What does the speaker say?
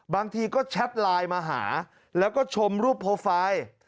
บางทีก็แชทไลน์มาหาแล้วก็ชมรูปโปรไฟล์